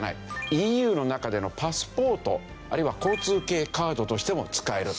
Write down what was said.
ＥＵの中でのパスポートあるいは交通系カードとしても使える。